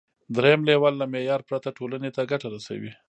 دریم لیول له معیار پرته ټولنې ته ګټه رسوي.